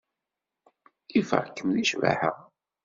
Ifeɣ-kem deg ccbaḥa.